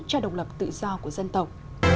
cho độc lập tự do của dân tộc